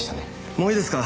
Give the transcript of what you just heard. もういいですか？